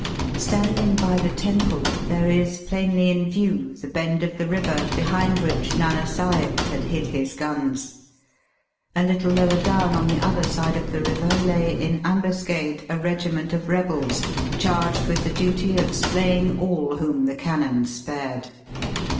Standing by the temple there is plainly in view the bend of the river behind which Nana Sahib had hid his guns. A little lower down on the other side of the river lay in ^ambuscade a regiment of rebels charged with Digitized by VjOOQIC CHRISTMAS AT CAWNPORE. 269 the duty of slaying all whom the cannon spared.